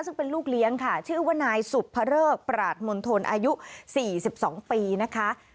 ซึ่งเป็นลูกเลี้ยงค่ะชื่อว่านายสุบพระเริกประหลาดมนตรอายุสี่สิบสองปีนะคะ